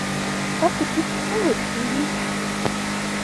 ستا په جېب کې څو روپۍ دي؟